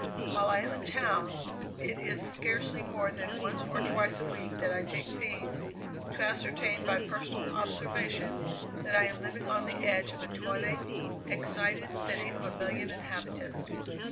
While I am in town, it is scarcely more than once or twice a week that I take pains to ascertain by personal observation that I am living on the edge of a toiling, excited city of a million inhabitants.